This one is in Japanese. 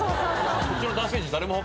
うちの。